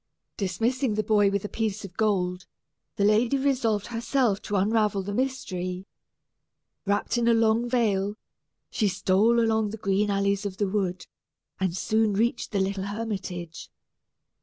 Dismissing the boy with a piece of gold, the lady resolved herself to unravel the mystery. Wrapped in a long veil, she stole along the green alleys of the wood, and soon reached the little hermitage.